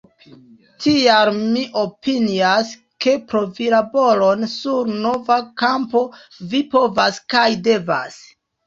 Tial mi opinias, ke provi laboron sur nova kampo vi povas kaj devas.